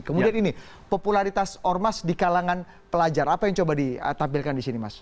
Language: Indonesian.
kemudian ini popularitas ormas di kalangan pelajar apa yang coba ditampilkan di sini mas